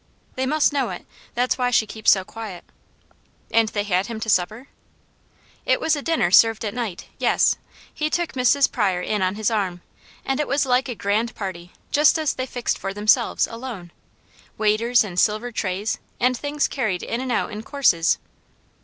"They must know it. That's why she keeps so quiet." "And they had him to supper?" "It was a dinner served at night. Yes. He took Mrs. Pryor in on his arm, and it was like a grand party, just as they fixed for themselves, alone. Waiters, and silver trays, and things carried in and out in courses."